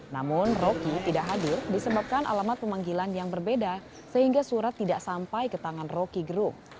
namun roky tidak hadir disebabkan alamat pemanggilan yang berbeda sehingga surat tidak sampai ke tangan roky gerung